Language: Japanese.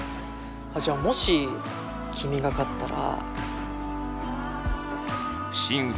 あっじゃあもし君が勝ったら。